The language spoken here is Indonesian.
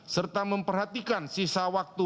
serta memperhatikan sisa waktu